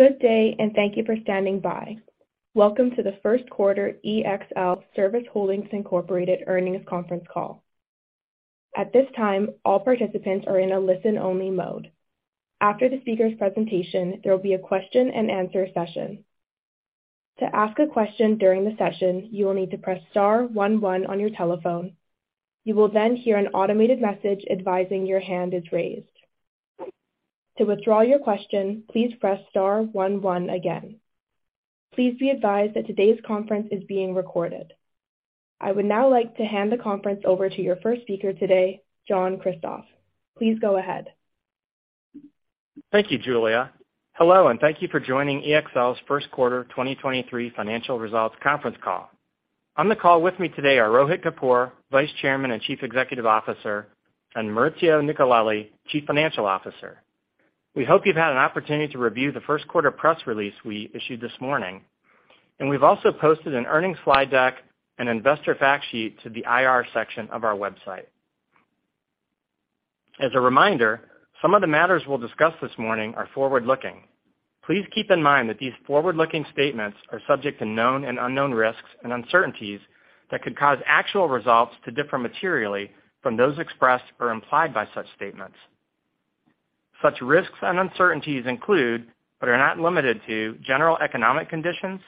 Good day, and thank you for standing by. Welcome to the First Quarter ExlService Holdings Incorporated Earnings Conference Call. At this time, all participants are in a listen-only mode. After the speaker's presentation, there will be a question and answer session. To ask a question during the session, you will need to press star one one on your telephone. You will then hear an automated message advising your hand is raised. To withdraw your question, please press star one one again. Please be advised that today's conference is being recorded. I would now like to hand the conference over to your 1st speaker today, John Kristoff. Please go ahead. Thank you, Julia. Hello, and thank you for joining EXL's First Quarter 2023 financial results conference call. On the call with me today are Rohit Kapoor, Vice Chairman and Chief Executive Officer, and Maurizio Nicolelli, Chief Financial Officer. We hope you've had an opportunity to review the first quarter press release we issued this morning, and we've also posted an earnings slide deck and investor fact sheet to the IR section of our website. As a reminder, some of the matters we'll discuss this morning are forward-looking. Please keep in mind that these forward-looking statements are subject to known and unknown risks and uncertainties that could cause actual results to differ materially from those expressed or implied by such statements. Such risks and uncertainties include, but are not limited to general economic conditions,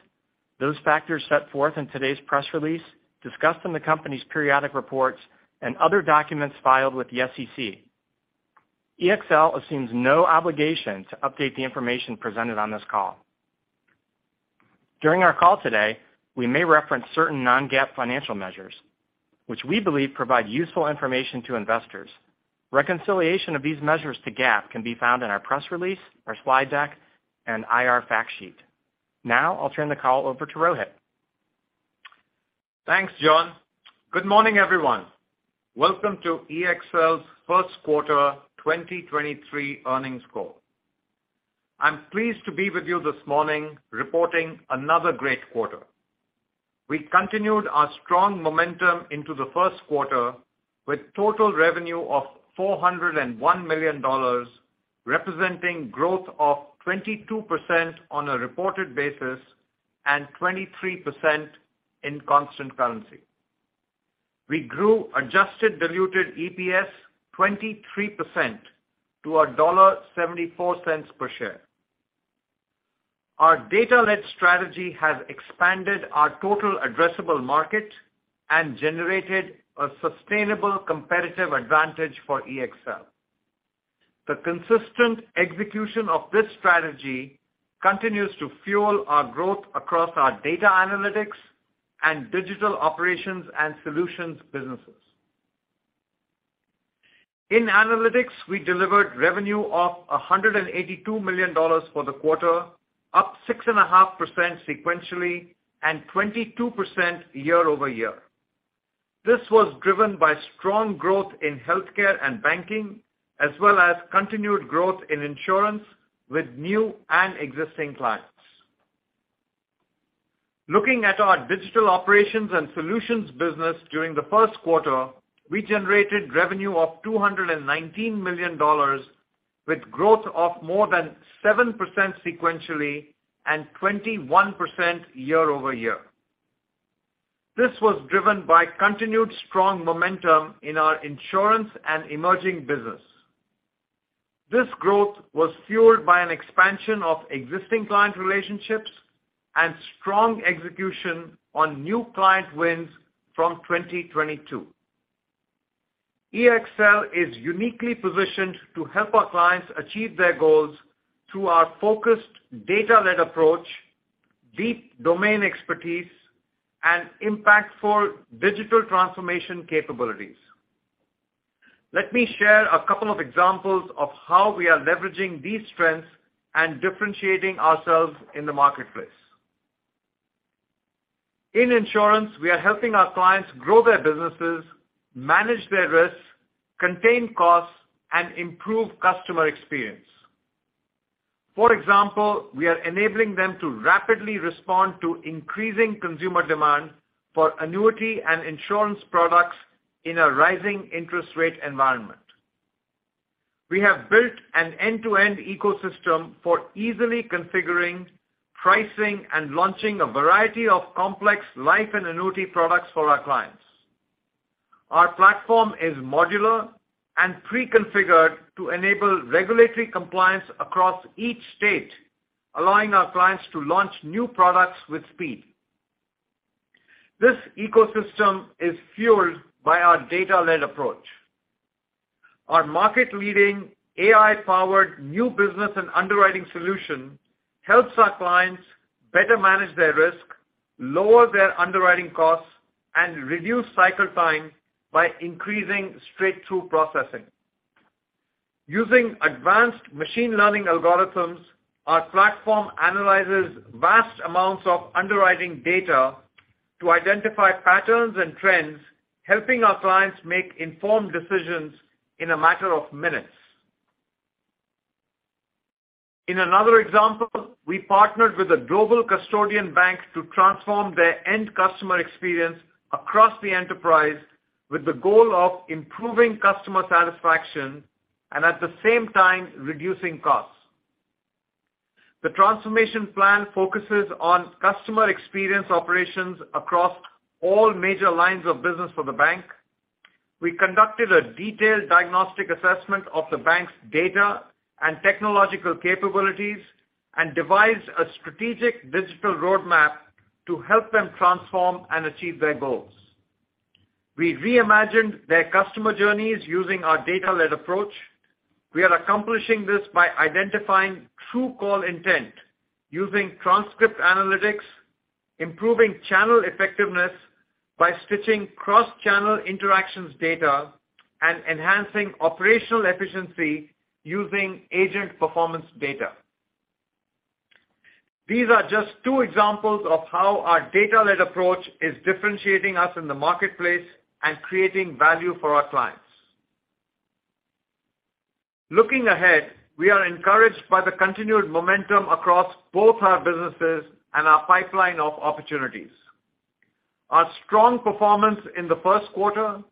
those factors set forth in today's press release, discussed in the company's periodic reports and other documents filed with the SEC. EXL assumes no obligation to update the information presented on this call. During our call today, we may reference certain non-GAAP financial measures, which we believe provide useful information to investors. Reconciliation of these measures to GAAP can be found in our press release, our slide deck and IR fact sheet. I'll turn the call over to Rohit. Thanks, John. Good morning, everyone. Welcome to EXL's first quarter 2023 earnings call. I'm pleased to be with you this morning, reporting another great quarter. We continued our strong momentum into the first quarter with total revenue of $401 million, representing growth of 22% on a reported basis and 23% in constant currency. We grew adjusted diluted EPS 23% to $1.74 per share. Our data-led strategy has expanded our total addressable market and generated a sustainable competitive advantage for EXL. The consistent execution of this strategy continues to fuel our growth across our Data Analytics Digital Operations and Solutions businesses. In Analytics, we delivered revenue of $182 million for the quarter, up 6.5% sequentially and 22% year-over-year. This was driven by strong growth in healthcare and banking, as well as continued growth in insurance with new and existing clients. Looking at Digital Operations and Solutions business during the first quarter, we generated revenue of $219 million with growth of more than 7% sequentially and 21% year-over-year. This was driven by continued strong momentum in our insurance and emerging business. This growth was fueled by an expansion of existing client relationships and strong execution on new client wins from 2022. EXL is uniquely positioned to help our clients achieve their goals through our focused data-led approach, deep domain expertise and impactful digital transformation capabilities. Let me share a couple of examples of how we are leveraging these trends and differentiating ourselves in the marketplace. In insurance, we are helping our clients grow their businesses, manage their risks, contain costs, and improve customer experience. For example, we are enabling them to rapidly respond to increasing consumer demand for annuity and insurance products in a rising interest rate environment. We have built an end-to-end ecosystem for easily configuring, pricing, and launching a variety of complex life and annuity products for our clients. Our platform is modular and preconfigured to enable regulatory compliance across each state, allowing our clients to launch new products with speed. This ecosystem is fueled by our data-led approach. Our market-leading AI-powered new business and underwriting solution helps our clients better manage their risk, lower their underwriting costs, and reduce cycle time by increasing straight-through processing. Using advanced machine learning algorithms, our platform analyzes vast amounts of underwriting data to identify patterns and trends, helping our clients make informed decisions in a matter of minutes. In another example, we partnered with a global custodian bank to transform their end customer experience across the enterprise, with the goal of improving customer satisfaction and at the same time, reducing costs. The transformation plan focuses on customer experience operations across all major lines of business for the bank. We conducted a detailed diagnostic assessment of the bank's data and technological capabilities and devised a strategic digital roadmap to help them transform and achieve their goals. We reimagined their customer journeys using our data-led approach. We are accomplishing this by identifying true call intent using Transcript Analytics, improving channel effectiveness by stitching cross-channel interactions data, and enhancing operational efficiency using agent performance data. These are just two examples of how our data-led approach is differentiating us in the marketplace and creating value for our clients. Looking ahead, we are encouraged by the continued momentum across both our businesses and our pipeline of opportunities. Our strong performance in the first quarter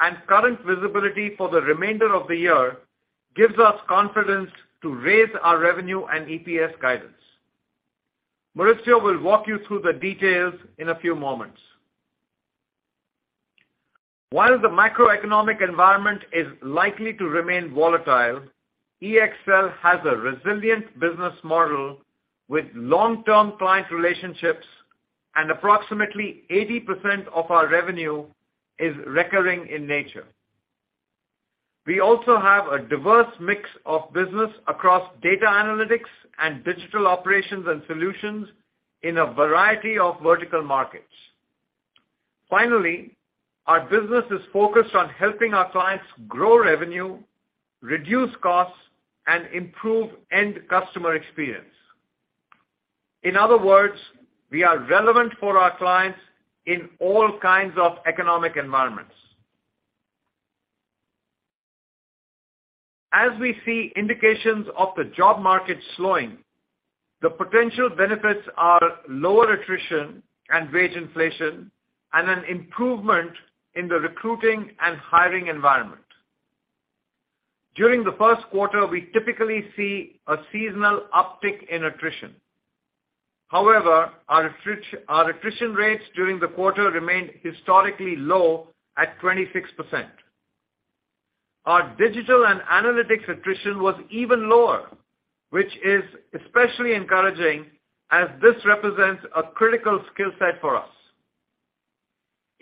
and current visibility for the remainder of the year gives us confidence to raise our revenue and EPS guidance. Maurizio will walk you through the details in a few moments. While the macroeconomic environment is likely to remain volatile, EXL has a resilient business model with long-term client relationships and approximately 80% of our revenue is recurring in nature. We also have a diverse mix of business across Data Analytics Digital Operations and Solutions in a variety of vertical markets. Finally, our business is focused on helping our clients grow revenue, reduce costs, and improve end customer experience. In other words, we are relevant for our clients in all kinds of economic environments. As we see indications of the job market slowing, the potential benefits are lower attrition and wage inflation and an improvement in the recruiting and hiring environment. During the first quarter, we typically see a seasonal uptick in attrition. However, our attrition rates during the quarter remained historically low at 26%. Our Digital and Analytics attrition was even lower, which is especially encouraging as this represents a critical skill set for us.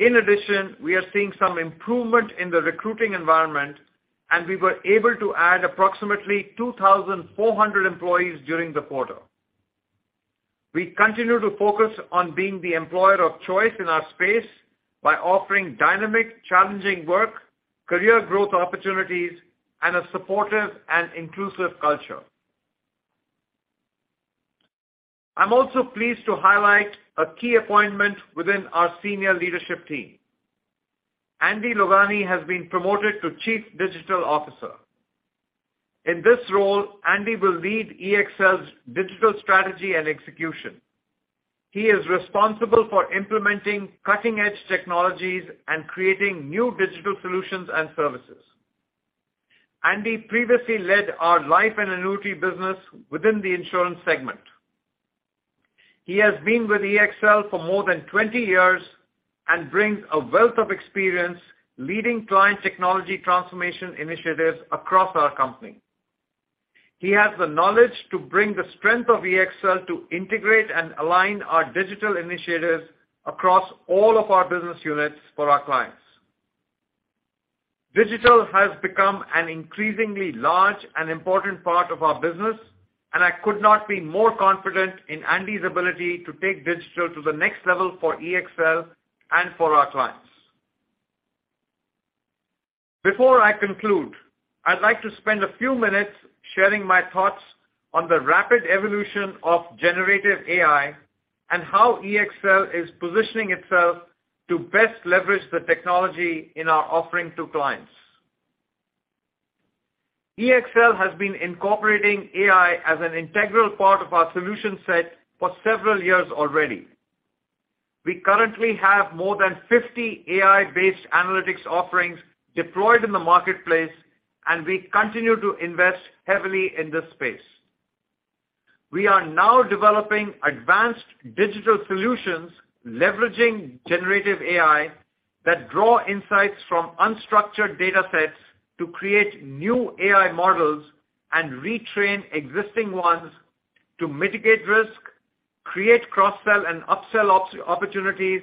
We are seeing some improvement in the recruiting environment, and we were able to add approximately 2,400 employees during the quarter. We continue to focus on being the employer of choice in our space by offering dynamic, challenging work, career growth opportunities, and a supportive and inclusive culture. I'm also pleased to highlight a key appointment within our senior leadership team. Andy Logani has been promoted to Chief Digital Officer. In this role, Andy will lead EXL's digital strategy and execution. He is responsible for implementing cutting-edge technologies and creating new digital solutions and services. Andy previously led our life and annuity business within the insurance segment. He has been with EXL for more than 20 years and brings a wealth of experience leading client technology transformation initiatives across our company. He has the knowledge to bring the strength of EXL to integrate and align our digital initiatives across all of our business units for our clients. Digital has become an increasingly large and important part of our business, and I could not be more confident in Andy's ability to take digital to the next level for EXL and for our clients. Before I conclude, I'd like to spend a few minutes sharing my thoughts on the rapid evolution of generative AI and how EXL is positioning itself to best leverage the technology in our offering to clients. EXL has been incorporating AI as an integral part of our solution set for several years already. We currently have more than 50 AI-based Analytics offerings deployed in the marketplace, and we continue to invest heavily in this space. We are now developing advanced digital solutions leveraging generative AI that draw insights from unstructured data sets to create new AI models and retrain existing ones to mitigate risk, create cross-sell and up-sell ops-opportunities,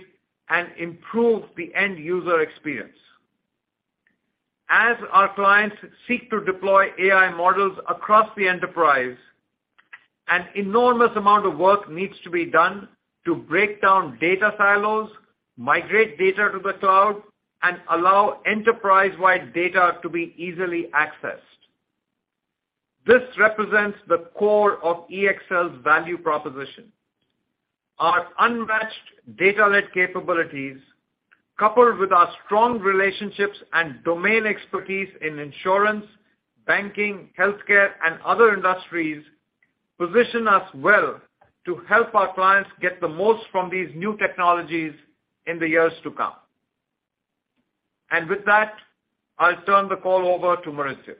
and improve the end-user experience. As our clients seek to deploy AI models across the enterprise, an enormous amount of work needs to be done to break down data silos, migrate data to the cloud, and allow enterprise-wide data to be easily accessed. This represents the core of EXL's value proposition. Our unmatched data-led capabilities, coupled with our strong relationships and domain expertise in insurance, banking, healthcare, and other industries position us well to help our clients get the most from these new technologies in the years to come. With that, I'll turn the call over to Maurizio.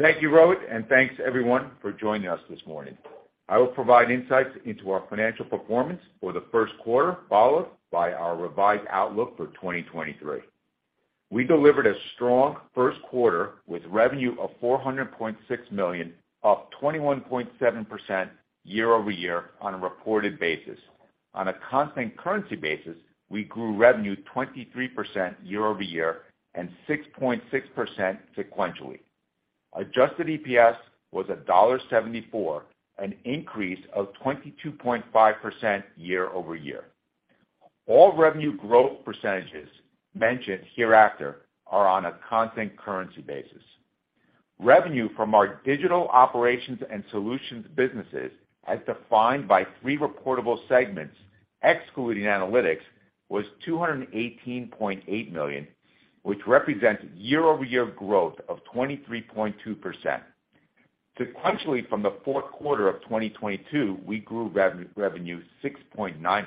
Thank you, Rohit, thanks everyone for joining us this morning. I will provide insights into our financial performance for the first quarter, followed by our revised outlook for 2023. We delivered a strong first quarter with revenue of $400.6 million, up 21.7% year-over-year on a reported basis. On a constant currency basis, we grew revenue 23% year-over-year and 6.6% sequentially. Adjusted EPS was $1.74, an increase of 22.5% year-over-year. All revenue growth percentages mentioned hereafter are on a constant currency basis. Revenue from Digital Operations and Solutions businesses, as defined by three reportable segments excluding Analytics, was $218.8 million, which represents year-over-year growth of 23.2%. Sequentially from the fourth quarter of 2022, we grew revenue 6.9%.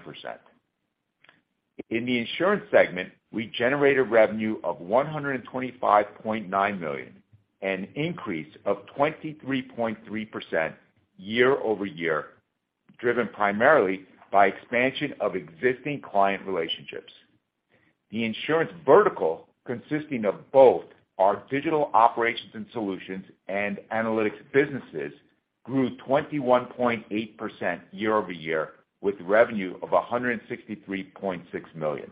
In the insurance segment, we generated revenue of $125.9 million, an increase of 23.3% year-over-year, driven primarily by expansion of existing client relationships. The insurance vertical, consisting of both Digital Operations and Solutions and Analytics businesses, grew 21.8% year-over-year, with revenue of $163.6 million.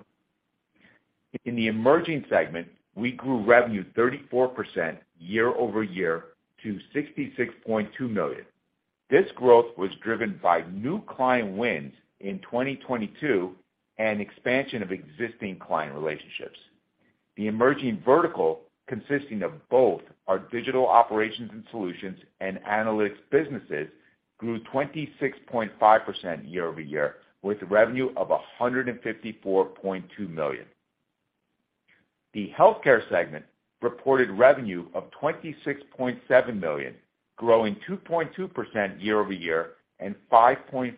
In the emerging segment, we grew revenue 34% year-over-year to $66.2 million. This growth was driven by new client wins in 2022 and expansion of existing client relationships. The Emerging Vertical, consisting of both Digital Operations and Solutions and Analytics businesses, grew 26.5% year-over-year, with revenue of $154.2 million. The healthcare segment reported revenue of $26.7 million, growing 2.2% year-over-year and 5.4%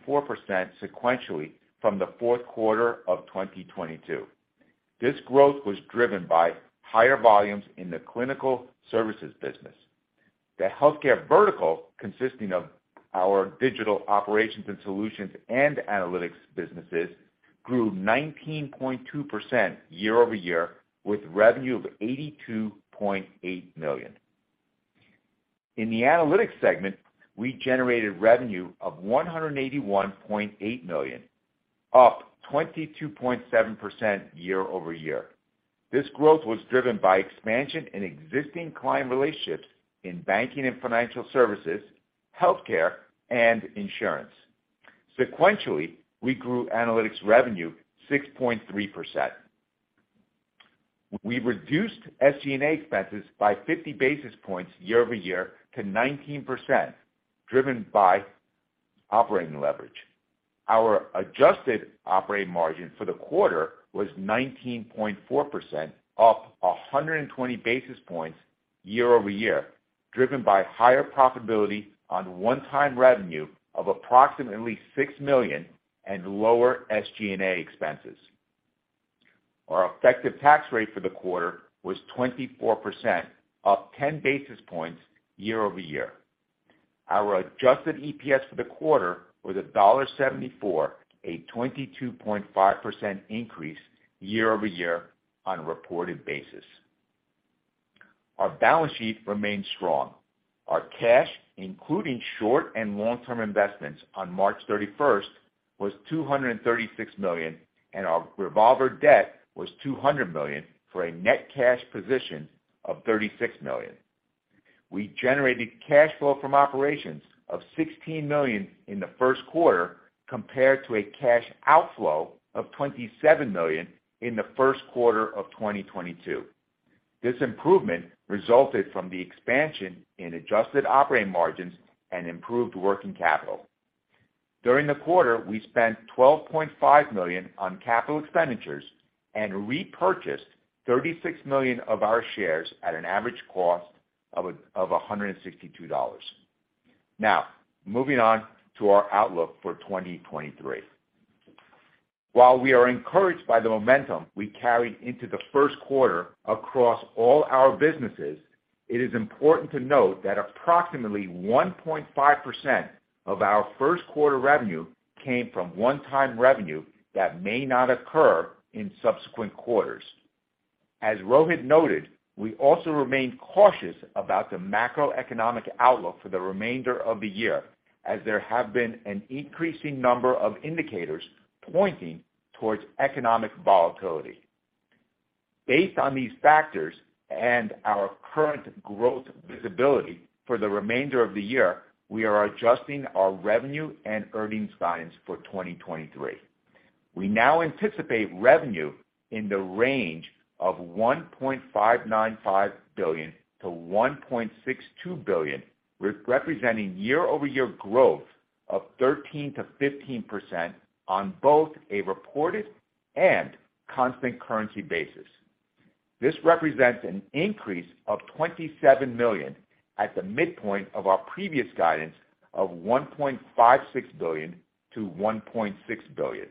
sequentially from the fourth quarter of 2022. This growth was driven by higher volumes in the clinical services business. The Healthcare Vertical, consisting of Digital Operations and Solutions and Analytics businesses, grew 19.2% year-over-year with revenue of $82.8 million. In the Analytics segment, we generated revenue of $181.8 million, up 22.7% year-over-year. This growth was driven by expansion in existing client relationships in banking and financial services, healthcare, and insurance. Sequentially, we grew Analytics revenue 6.3%. We reduced SG&A expenses by 50 basis points year-over-year to 19%, driven by operating leverage. Our adjusted operating margin for the quarter was 19.4%, up 120 basis points year-over-year, driven by higher profitability on one-time revenue of approximately $6 million and lower SG&A expenses. Our effective tax rate for the quarter was 24%, up 10 basis points year-over-year. Our adjusted EPS for the quarter was $1.74, a 22.5% increase year-over-year on a reported basis. Our balance sheet remains strong. Our cash, including short and long-term investments on March 31st, was $236 million, and our revolver debt was $200 million, for a net cash position of $36 million. We generated cash flow from operations of $16 million in the first quarter compared to a cash outflow of $27 million in the first quarter of 2022. This improvement resulted from the expansion in adjusted operating margins and improved working capital. During the quarter, we spent $12.5 million on capital expenditures and repurchased $36 million of our shares at an average cost of $162. Moving on to our outlook for 2023. While we are encouraged by the momentum we carried into the first quarter across all our businesses, it is important to note that approximately 1.5% of our first quarter revenue came from one-time revenue that may not occur in subsequent quarters. As Rohit noted, we also remain cautious about the macroeconomic outlook for the remainder of the year, as there have been an increasing number of indicators pointing towards economic volatility. Based on these factors and our current growth visibility for the remainder of the year, we are adjusting our revenue and earnings guidance for 2023. We now anticipate revenue in the range of $1.595 billion-$1.62 billion, representing year-over-year growth of 13%-15% on both a reported and constant currency basis. This represents an increase of $27 million at the midpoint of our previous guidance of $1.56 billion-$1.6 billion.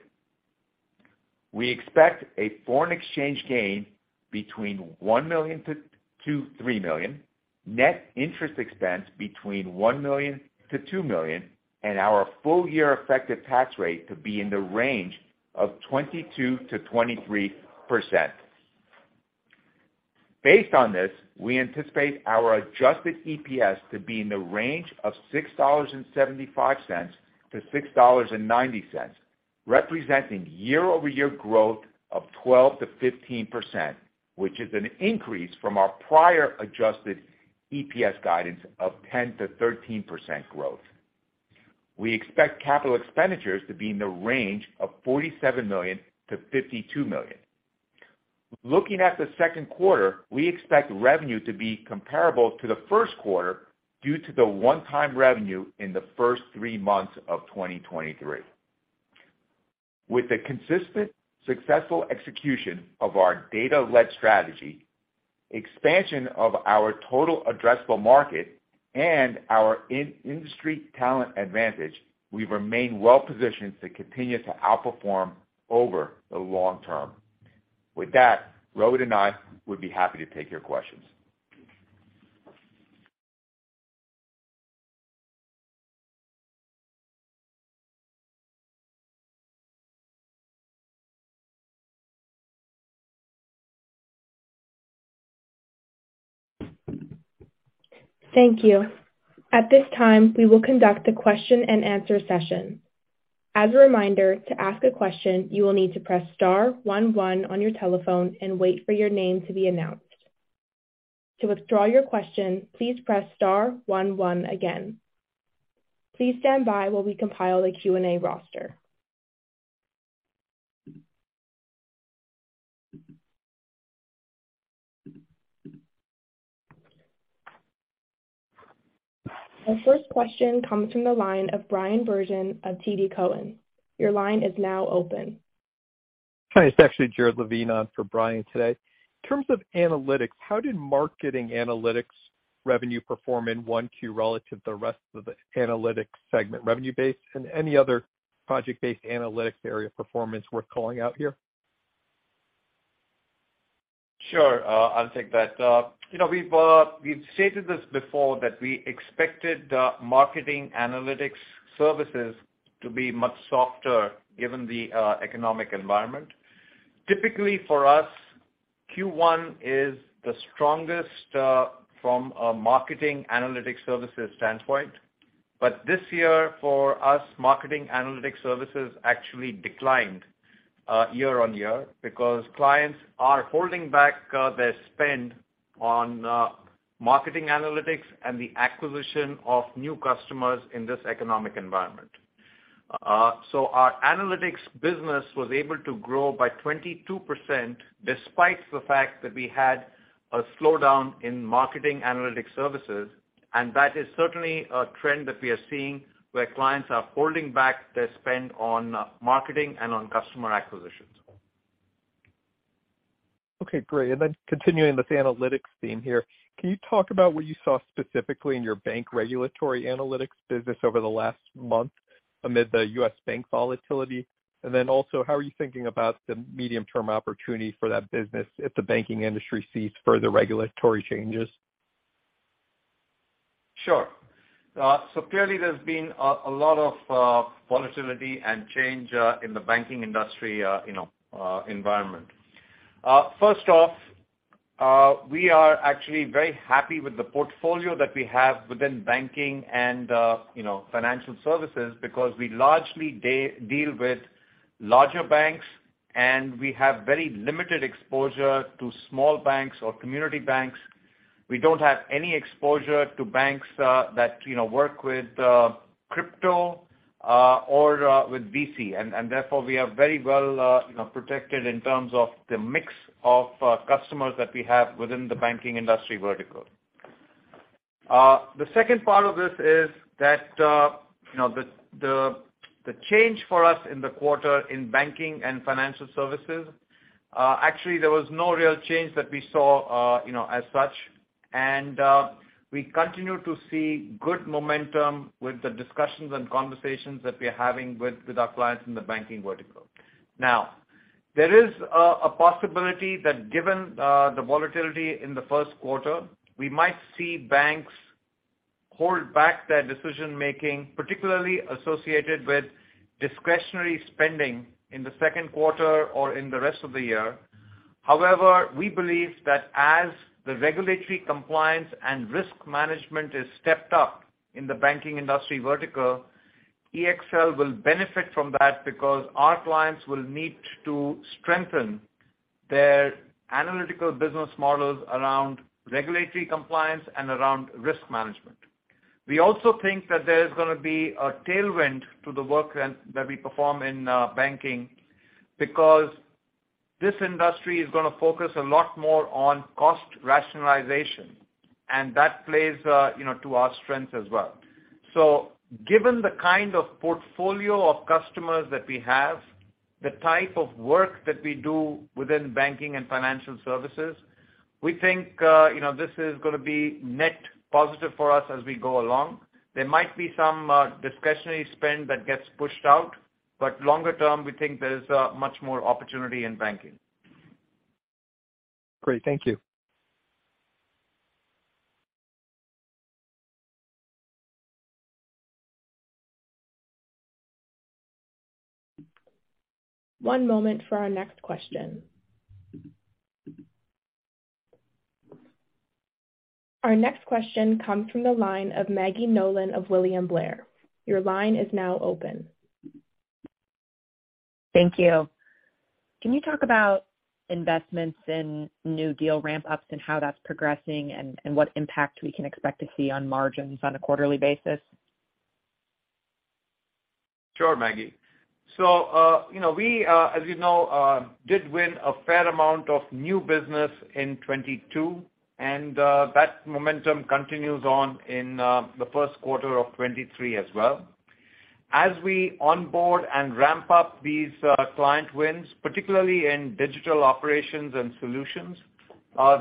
We expect a foreign exchange gain between $1 million-$3 million, net interest expense between $1 million-$2 million, and our full year effective tax rate to be in the range of 22%-23%. Based on this, we anticipate our adjusted EPS to be in the range of $6.75-$6.90, representing year-over-year growth of 12%-15%, which is an increase from our prior adjusted EPS guidance of 10%-13% growth. We expect capital expenditures to be in the range of $47 million-$52 million. Looking at the second quarter, we expect revenue to be comparable to the first quarter due to the one-time revenue in the first three months of 2023. With the consistent successful execution of our data-led strategy, expansion of our total addressable market, and our in-industry talent advantage, we remain well positioned to continue to outperform over the long term. With that, Rohit and I would be happy to take your questions. Thank you. At this time, we will conduct a question and answer session. As a reminder, to ask a question, you will need to press star one one on your telephone and wait for your name to be announced. To withdraw your question, please press star one one again. Please stand by while we compile the Q&A roster. Our first question comes from the line of Bryan Bergin of TD Cowen. Your line is now open. Hi, it's actually Jared Levine on for Bryan Bergin today. In terms of Analytics, how did Marketing Analytics revenue perform in one Q relative to the rest of the Analytics segment, revenue-based, and any other project-based Analytics area performance worth calling out here? Sure, I'll take that. You know, we've stated this before that we expected Marketing Analytics Services to be much softer given the economic environment. Typically, for us, Q1 is the strongest from a Marketing Analytics Services standpoint. This year, for us, Marketing Analytics Services actually declined year-over-year because clients are holding back their spend on Marketing Analytics and the acquisition of new customers in this economic environment. Our Analytics business was able to grow by 22% despite the fact that we had a slowdown in Marketing Analytics services. That is certainly a trend that we are seeing where clients are holding back their spend on marketing and on customer acquisitions. Okay, great. Continuing with the Analytics theme here, can you talk about what you saw specifically in your Bank Regulatory Analytics Business over the last month amid the U.S. bank volatility? Also, how are you thinking about the medium-term opportunity for that business if the banking industry sees further regulatory changes? Sure. Clearly, there's been a lot of volatility and change in the banking industry, you know, environment. First off, we are actually very happy with the portfolio that we have within banking and, you know, financial services because we largely deal with larger banks, and we have very limited exposure to small banks or community banks. We don't have any exposure to banks that, you know, work with crypto or with VC. Therefore, we are very well, you know, protected in terms of the mix of customers that we have within the Banking Industry Vertical. The second part of this is that, you know, the change for us in the quarter in banking and financial services, actually, there was no real change that we saw, you know, as such. We continue to see good momentum with the discussions and conversations that we're having with our clients in the Banking Vertical. There is a possibility that given, the volatility in the first quarter, we might see banks hold back their decision-making, particularly associated with discretionary spending in the second quarter or in the rest of the year. We believe that as the regulatory compliance and risk management is stepped up in the Banking Industry Vertical, EXL will benefit from that because our clients will need to strengthen their analytical business models around regulatory compliance and around risk management. We also think that there is gonna be a tailwind to the work that we perform in banking because this industry is gonna focus a lot more on cost rationalization. That plays, you know, to our strengths as well. Given the kind of portfolio of customers that we have, the type of work that we do within banking and financial services, we think, you know, this is gonna be net positive for us as we go along. There might be some discretionary spend that gets pushed out, longer term, we think there's much more opportunity in banking. Great. Thank you. One moment for our next question. Our next question comes from the line of Maggie Nolan of William Blair. Your line is now open. Thank you. Can you talk about investments in new deal ramp-ups and how that's progressing and what impact we can expect to see on margins on a quarterly basis? Sure, Maggie. You know, we, as you know, did win a fair amount of new business in 2022, and that momentum continues on in the first quarter of 2023 as well. As we onboard and ramp up these, client wins, particularly Digital Operations and Solutions,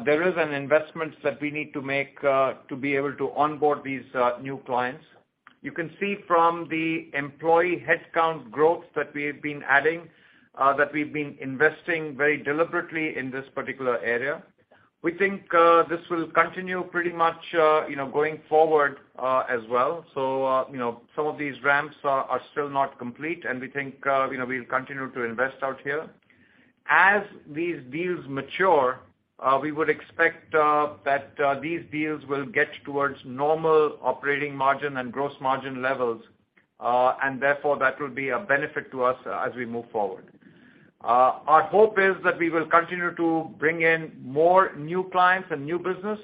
there is an investments that we need to make to be able to onboard these, new clients. You can see from the employee headcount growth that we've been adding, that we've been investing very deliberately in this particular area. We think, this will continue pretty much, you know, going forward, as well. You know, some of these ramps are still not complete, and we think, you know, we'll continue to invest out here. As these deals mature, we would expect that these deals will get towards normal operating margin and gross margin levels, and therefore that will be a benefit to us as we move forward. Our hope is that we will continue to bring in more new clients and new business.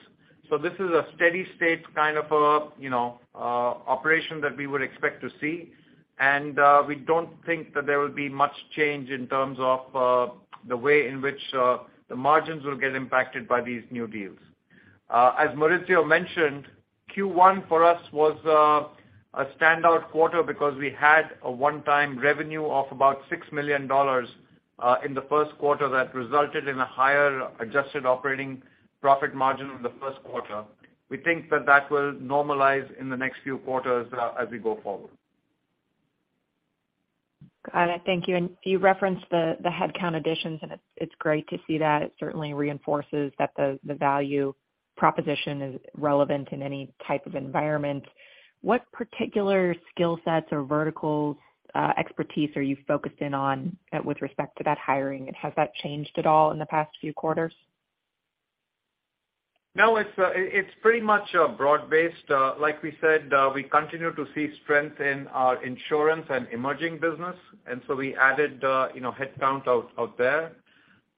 This is a steady-state kind of a, you know, operation that we would expect to see. We don't think that there will be much change in terms of the way in which the margins will get impacted by these new deals. As Maurizio mentioned, Q1 for us was a standout quarter because we had a one-time revenue of about $6 million in the first quarter that resulted in a higher adjusted operating profit margin in the first quarter. We think that will normalize in the next few quarters, as we go forward. Got it. Thank you. You referenced the headcount additions, it's great to see that. It certainly reinforces that the value proposition is relevant in any type of environment. What particular skill sets or verticals, expertise are you focused in on at with respect to that hiring? Has that changed at all in the past few quarters? No, it's pretty much broad-based. Like we said, we continue to see strength in our insurance and emerging business, we added, you know, headcount out there.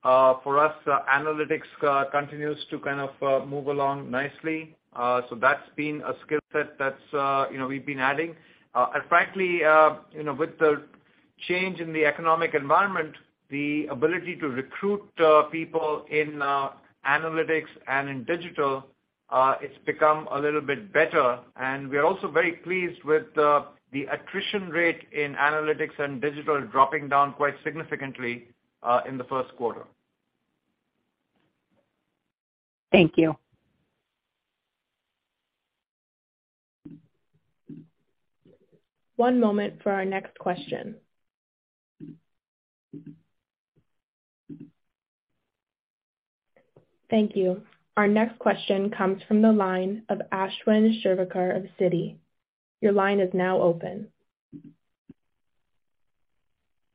For us, Analytics continues to kind of move along nicely. That's been a skill set that's, you know, we've been adding. Frankly, you know, with the change in the economic environment, the ability to recruit people in Analytics and in Digital, it's become a little bit better. We are also very pleased with the attrition rate in Analytics and Digital dropping down quite significantly in the first quarter. Thank you. One moment for our next question. Thank you. Our next question comes from the line of Ashwin Shirvaikar of Citi. Your line is now open.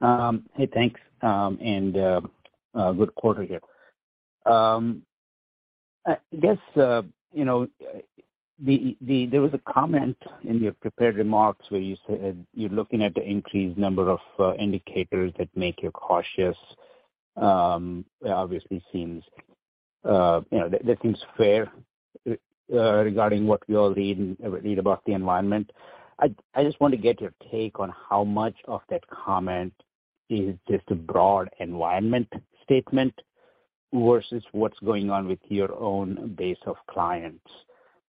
Hey, thanks. A good quarter here. I guess, you know, there was a comment in your prepared remarks where you said you're looking at the increased number of indicators that make you cautious. Obviously seems, you know, that seems fair regarding what we all read about the environment. I just want to get your take on how much of that comment is just a broad environment statement versus what's going on with your own base of clients,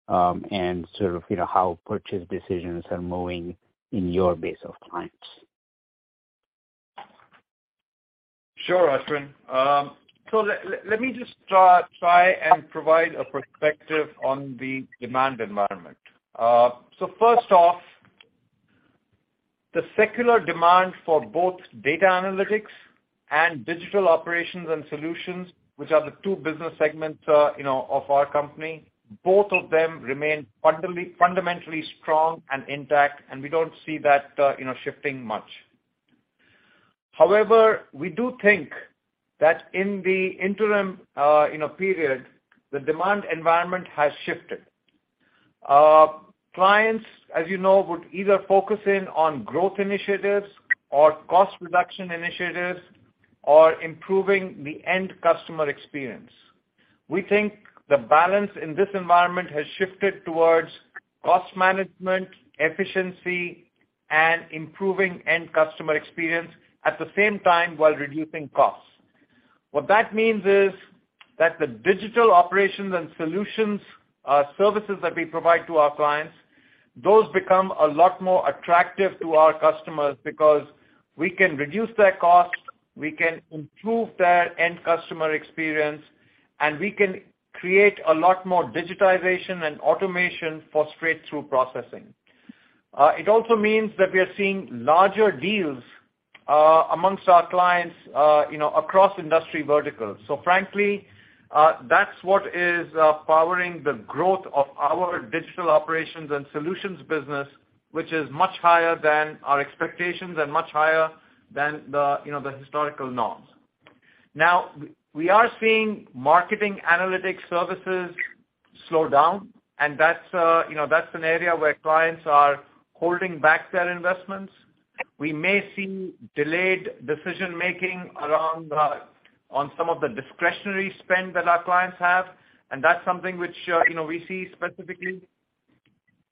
and sort of, how purchase decisions are moving in your base of clients. Sure, Ashwin. Let me just try and provide a perspective on the demand environment. First off, the secular demand for both Data Analytics Digital Operations and Solutions, which are the two business segments, you know, of our company, both of them remain fundamentally strong and intact, and we don't see that shifting much. However, we do think that in the interim, you know, period, the demand environment has shifted. Clients, as you know, would either focus in on growth initiatives or cost reduction initiatives or improving the end customer experience. We think the balance in this environment has shifted towards cost management, efficiency, and improving end customer experience at the same time while reducing costs. What that means is that Digital Operations and Solutions services that we provide to our clients, those become a lot more attractive to our customers because we can reduce their costs, we can improve their end customer experience, and we can create a lot more digitization and automation for straight-through processing. It also means that we are seeing larger deals amongst our clients, you know, across industry verticals. Frankly, that's what is powering the growth of Digital Operations and Solutions business, which is much higher than our expectations and much higher than the, you know, the historical norms. Now, we are seeing Marketing Analytics services slow down, and that's, you know, that's an area where clients are holding back their investments. We may see delayed decision-making around on some of the discretionary spend that our clients have, and that's something which we see specifically.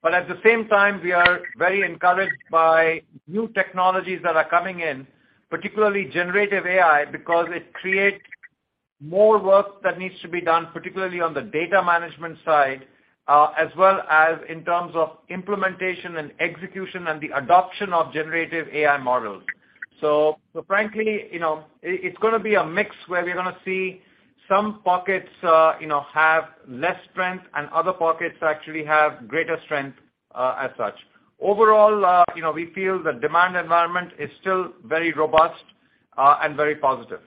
At the same time, we are very encouraged by new technologies that are coming in, particularly generative AI, because it creates more work that needs to be done, particularly on the data management side, as well as in terms of implementation and execution and the adoption of generative AI models. frankly, you know, it's gonna be a mix where we're gonna see some pockets have less strength, and other pockets actually have greater strength, as such. Overall, you know, we feel the demand environment is still very robust, and very positive.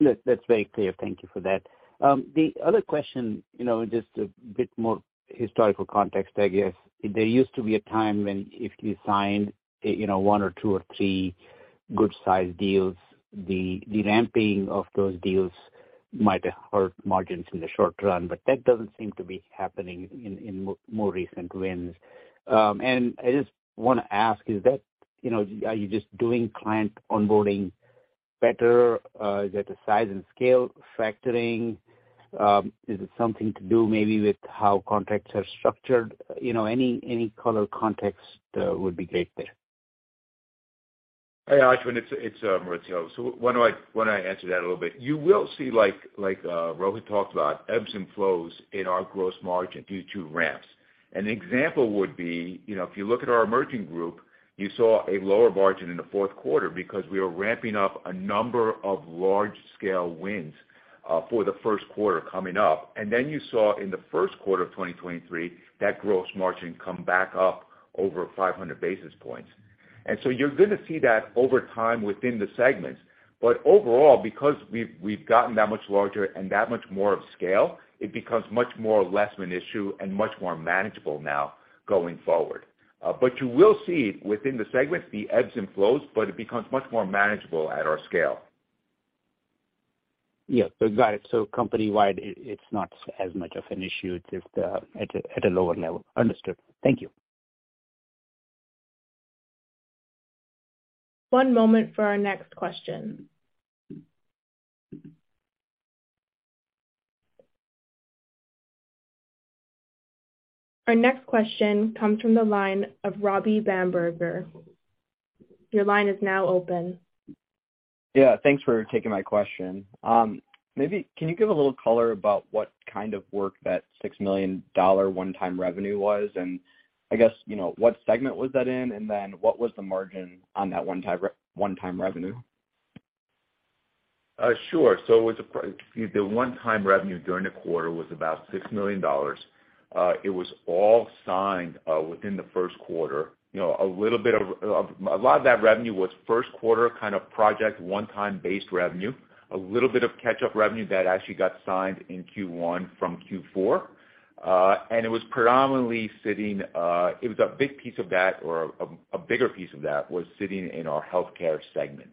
Yes, that's very clear. Thank you for that. The other question, you know, just a bit more historical context, I guess. There used to be a time when if you signed, you know, one or two or three good-sized deals, the ramping of those deals might hurt margins in the short run, but that doesn't seem to be happening in more recent wins. I just wanna ask, is that, are you just doing client onboarding better? Is that the size and scale factoring? Is it something to do maybe with how contracts are structured? Any color context, would be great there. Hey, Ashwin. It's Maurizio. Why don't I answer that a little bit? You will see like Rohit talked about, ebbs and flows in our gross margin due to ramps. An example would be, you know, if you look at our emerging group, you saw a lower margin in the fourth quarter because we were ramping up a number of large-scale wins for the first quarter coming up. You saw in the first quarter of 2023, that gross margin come back up over 500 basis points. You're gonna see that over time within the segments. Overall, because we've gotten that much larger and that much more of scale, it becomes much more or less of an issue and much more manageable now going forward. You will see within the segments the ebbs and flows, but it becomes much more manageable at our scale. Yeah. Got it. Company-wide, it's not as much of an issue. It's just at a lower level. Understood. Thank you. One moment for our next question. Our next question comes from the line of Robbie Bamberger. Your line is now open. Thanks for taking my question. Maybe can you give a little color about what kind of work that $6 million one-time revenue was? I guess, you know, what segment was that in? What was the margin on that one-time revenue? Sure. It's the one-time revenue during the quarter was about $6 million. It was all signed within the first quarter. You know, a lot of that revenue was first quarter kind of project, one-time-based revenue. A little bit of catch-up revenue that actually got signed in Q1 from Q4. It was predominantly sitting, it was a big piece of that or a bigger piece of that was sitting in our healthcare segment.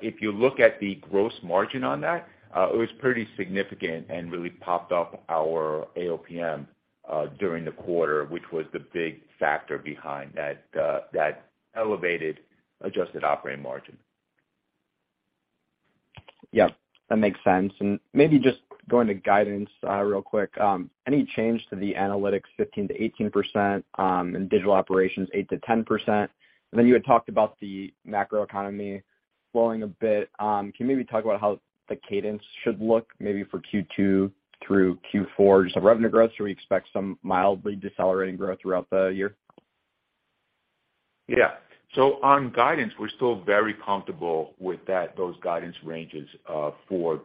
If you look at the gross margin on that, it was pretty significant and really popped up our AOIPM during the quarter, which was the big factor behind that elevated adjusted operating margin. Yeah, that makes sense. Maybe just going to guidance, real quick. Any change to the Analytics 15%-18%, Digital Operations 8%-10%? You had talked about the macroeconomy slowing a bit. Can you maybe talk about how the cadence should look maybe for Q2 through Q4, just the revenue growth? Do we expect some mildly decelerating growth throughout the year? On guidance, we're still very comfortable with that, those guidance ranges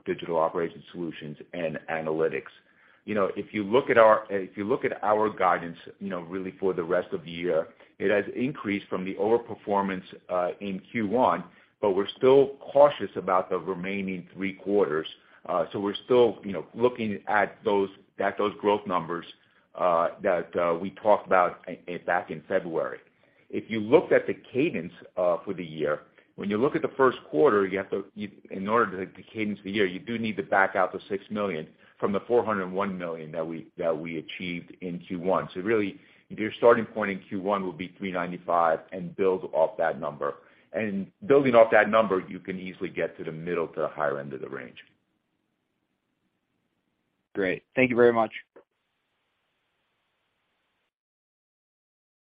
Digital Operations Solutions and Analytics. You know, if you look at our, if you look at our guidance, you know, really for the rest of the year, it has increased from the overperformance in Q1, but we're still cautious about the remaining three quarters. So we're still, you know, looking at those, at those growth numbers that we talked about back in February. If you looked at the cadence for the year, when you look at the first quarter, you in order to cadence the year, you do need to back out the $6 million from the $401 million that we, that we achieved in Q1. So really, your starting point in Q1 will be $395 and build off that number. Building off that number, you can easily get to the middle to the higher end of the range. Great. Thank you very much.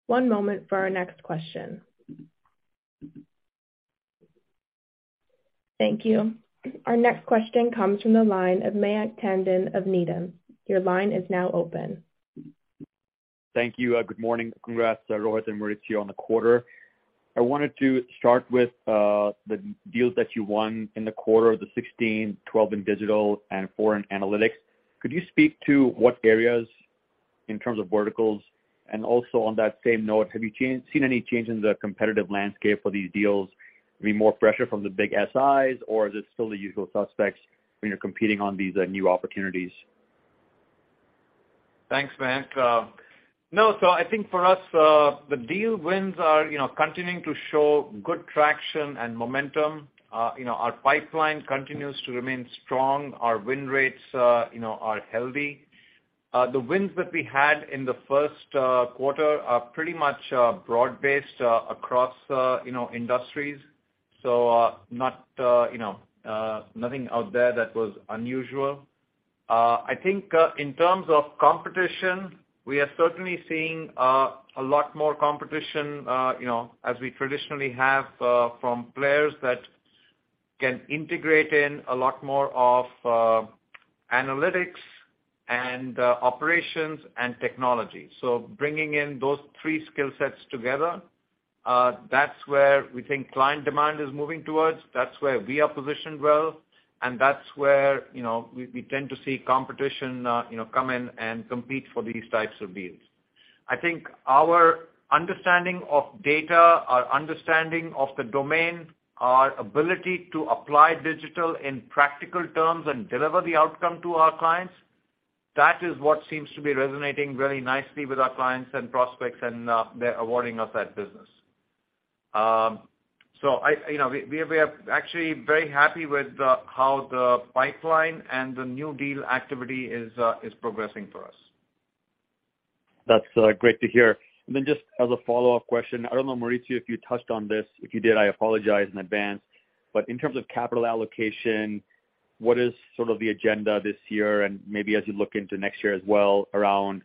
One moment for our next question. Thank you. Our next question comes from the line of Mayank Tandon of Needham. Your line is now open. Thank you. Good morning. Congrats, Rohit and Maurizio, on the quarter. I wanted to start with the deals that you won in the quarter, the 16, 12 in Digital and four in Analytics. Could you speak to what areas in terms of verticals? Also on that same note, have you seen any change in the competitive landscape for these deals? I mean, more pressure from the big SIs, or is it still the usual suspects when you're competing on these new opportunities? Thanks, Mayank. No, I think for us, the deal wins are, you know, continuing to show good traction and momentum. You know, our pipeline continues to remain strong. Our win rates, you know, are healthy. The wins that we had in the first quarter are pretty much broad-based, across, you know, industries, so, not, you know, nothing out there that was unusual. I think, in terms of competition, we are certainly seeing a lot more competition, you know, as we traditionally have, from players that can integrate in a lot more of analytics and operations and technology. Bringing in those three skill sets together, that's where we think client demand is moving towards, that's where we are positioned well, and that's where, you know, we tend to see competition, you know, come in and compete for these types of deals. I think our understanding of data, our understanding of the domain, our ability to apply digital in practical terms and deliver the outcome to our clients, that is what seems to be resonating very nicely with our clients and prospects and, they're awarding us that business. I, you know, we are actually very happy with how the pipeline and the new deal activity is progressing for us. That's great to hear. Just as a follow-up question, I don't know, Maurizio, if you touched on this. If you did, I apologize in advance. In terms of capital allocation, what is sort of the agenda this year and maybe as you look into next year as well around,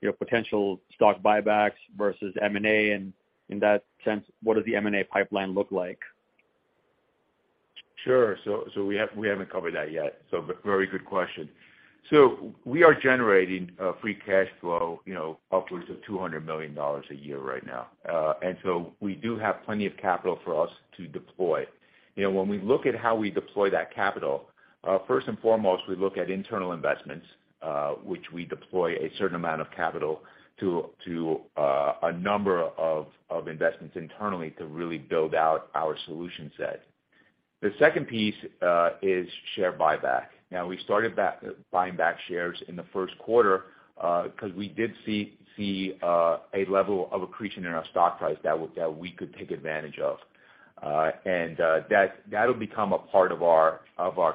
you know, potential stock buybacks versus M&A? In that sense, what does the M&A pipeline look like? Sure. We haven't covered that yet, very good question. We are generating, free cash flow, you know, upwards of $200 million a year right now. We do have plenty of capital for us to deploy. You know, when we look at how we deploy that capital, first and foremost, we look at internal investments, which we deploy a certain amount of capital to a number of investments internally to really build out our solution set. The second piece is share buyback. Now we started buying back shares in the first quarter, because we did see a level of accretion in our stock price that we could take advantage of. That'll become a part of our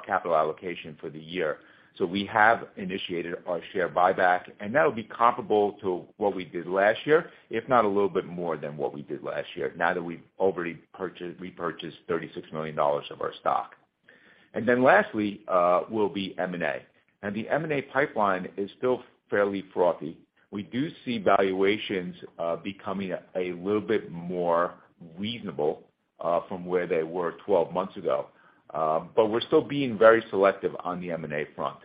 capital allocation for the year. We have initiated our share buyback, and that'll be comparable to what we did last year, if not a little bit more than what we did last year, now that we've already repurchased $36 million of our stock. Lastly, will be M&A. The M&A pipeline is still fairly frothy. We do see valuations becoming a little bit more reasonable from where they were 12 months ago. We're still being very selective on the M&A front.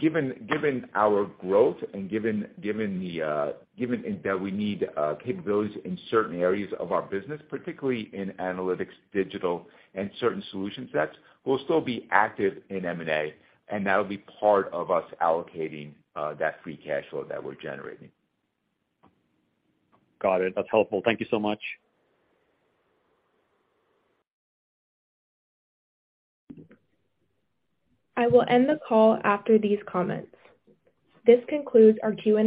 Given our growth and given the, given in that we need capabilities in certain areas of our business, particularly in Analytics, Digital, and certain Solution sets, we'll still be active in M&A, and that'll be part of us allocating that free cash flow that we're generating. Got it. That's helpful. Thank you so much. I will end the call after these comments. This concludes our Q&A.